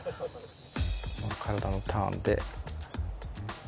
体のターンで。